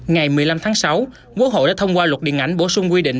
ngày một mươi năm tháng sáu quốc hội đã thông qua luật điện ảnh bổ sung quy định